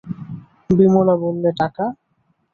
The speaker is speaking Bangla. বিমলা বললে, টাকা?